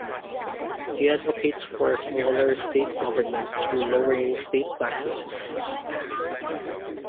He advocates for a smaller state government through lowering state taxes and fees.